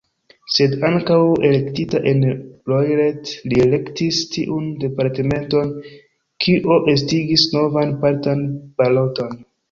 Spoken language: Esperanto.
Sed ankaŭ elektita en Loiret, li elektis tiun departementon, kio estigis novan partan baloton.